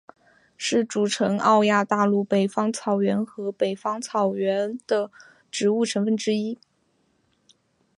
是组成欧亚大陆北方草原和北美草原的植物成分之一。